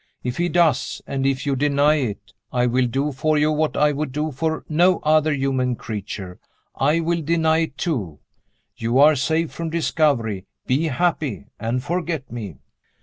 If he does and if you deny it I will do for you what I would do for no other human creature; I will deny it too. You are safe from discovery. Be happy and forget me."